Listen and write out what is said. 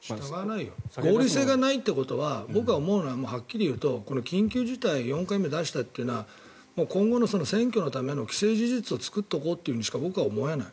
合理性がないということは僕は思うのは、はっきり言うと緊急事態４回目を出したというのは今後の選挙のための既成事実を作っておこうとしか僕は思えない。